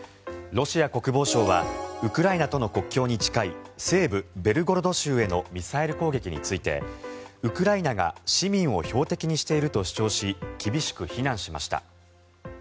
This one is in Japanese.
ロシア国防省はウクライナとの国境に近い西部ベルゴロド州へのミサイル攻撃についてウクライナが市民を標的にしていると主張し厳しく非難しました。